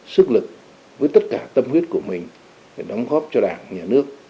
sức lực với tất cả tâm huyết của mình để đóng góp cho đảng nhà nước